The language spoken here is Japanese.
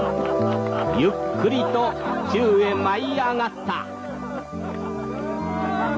ゆっくりと宙へ舞い上がった！」。